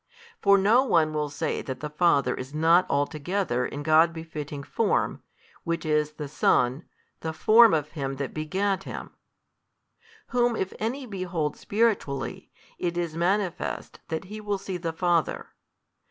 For no one will say that the Father is not altogether in God befitting Form, which is the Son, the Form of Him That begat Him; Whom if any behold spiritually, it is manifest that he will see the Father.